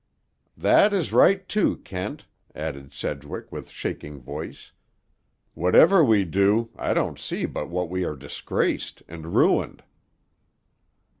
"That is right, too, Kent," added Sedgwick with shaking voice. "Whatever we do, I don't see but what we are disgraced and ruined."